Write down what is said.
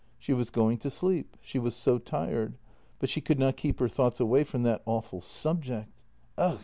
She was going to sleep ; she was so tired — but she could not keep her thoughts away from that awful subject — ugh!